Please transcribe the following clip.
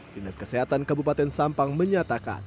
dinas kesehatan kabupaten sampang menyatakan